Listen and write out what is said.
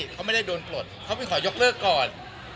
เขาไม่ได้โดนปลดเขาไปขอยกเลิกก่อน